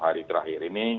hari terakhir ini